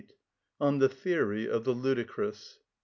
(20) On The Theory Of The Ludicrous.